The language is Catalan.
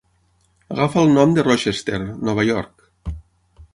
Agafa el nom de Rochester, Nova York.